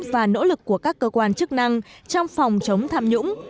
và nỗ lực của các cơ quan chức năng trong phòng chống tham nhũng